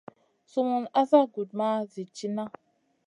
Sumun asa gudmaha zi tiyna.